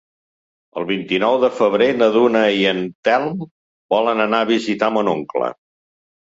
El vint-i-nou de febrer na Duna i en Telm volen anar a visitar mon oncle.